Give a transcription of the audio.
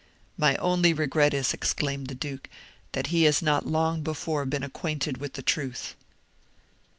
"My only regret is," exclaimed the duke, "that he has not long before been acquainted with the truth."